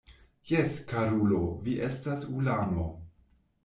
Jes, karulo, vi estas ulano.